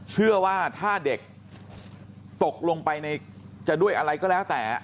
เชื่อว่าถ้าเด็กตกลงไปจะด้วยอะไรก็แล้วแต่